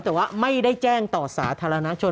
แต่ว่าไม่ได้แจ้งต่อสาธารณชน